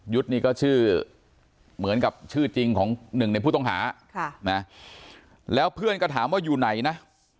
นี่ก็ชื่อเหมือนกับชื่อจริงของหนึ่งในผู้ต้องหาแล้วเพื่อนก็ถามว่าอยู่ไหนนะ